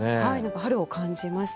春を感じました。